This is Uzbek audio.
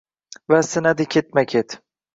va sinadi ketma-ket